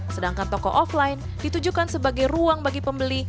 sedangkan toko offline ditujukan sebagai ruang bagi pembeli